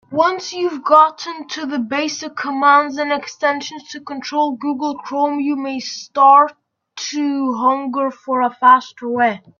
Once you've gotten used to the basic commands and extensions to control Google Chrome, you may start to hunger for a faster way.